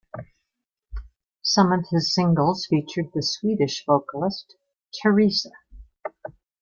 Some of his singles featured the Swedish vocalist Therese.